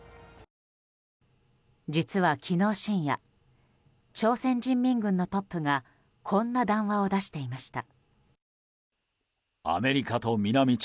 実は昨日深夜朝鮮人民軍のトップがこんな談話を出していました。